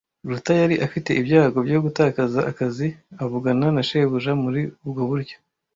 Ruta yari afite ibyago byo gutakaza akazi avugana na shebuja muri ubwo buryo.